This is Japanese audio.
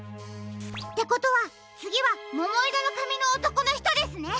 ってことはつぎはももいろのかみのおとこのひとですね！